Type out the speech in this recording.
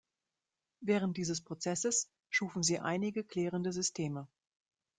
Während dieses Prozesses schufen sie einige erklärende Systeme.